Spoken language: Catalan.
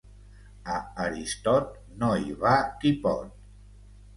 A Aristot, no hi va qui pot.